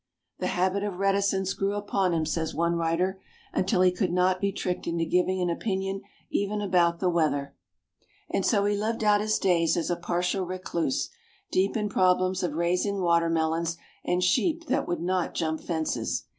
"The habit of reticence grew upon him," says one writer, "until he could not be tricked into giving an opinion even about the weather." And so he lived out his days as a partial recluse, deep in problems of "raising watermelons, and sheep that would not jump fences."